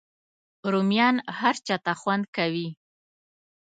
رومیان هر چاته خوند کوي